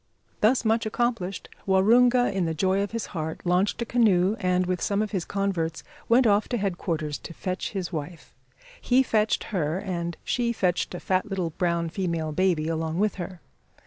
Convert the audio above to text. Thus much accomplished, Waroonga, in the joy of his heart, launched a canoe, and with some of his converts went off to headquarters to fetch his wife. He fetched her, and she fetched a fat little brown female baby along with her.